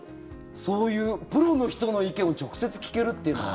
そういうプロの人の意見を直接聞けるっていうのは。